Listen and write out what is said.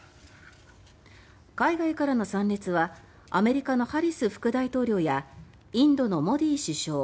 海外からの参列はアメリカのハリス副大統領やインドのモディ首相